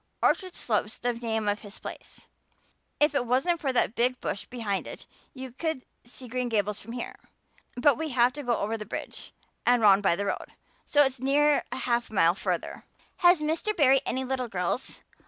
Orchard Slope's the name of his place. If it wasn't for that big bush behind it you could see Green Gables from here. But we have to go over the bridge and round by the road, so it's near half a mile further." "Has Mr. Barry any little girls?